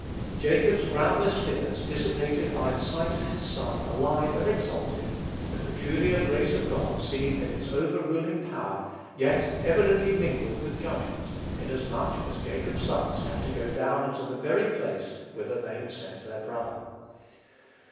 Jacob's groundless fears dissipated by the sight of his son alive, and exalted, the peculiar grace of God seen in its overruling power, yet evidently mingled with judgment, inasmuch as Jacob's sons have to go down into the very place whither they had sent their brother.